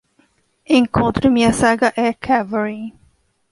Encontre-me a saga Air Cavalry